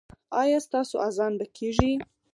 ایا ستاسو اذان به کیږي؟